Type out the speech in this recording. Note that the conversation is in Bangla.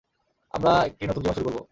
আমরা একটি নতুন জীবন শুরু করবো।